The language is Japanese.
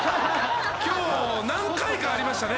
今日何回かありましたね